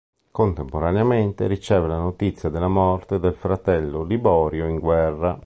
Contemporaneamente, riceve la notizia della morte del fratello Liborio in guerra.